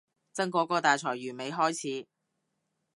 真嗰個大裁員未開始